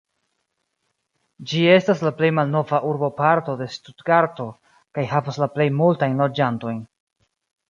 Ĝi estas la plej malnova urboparto de Stutgarto kaj havas la plej multajn loĝantojn.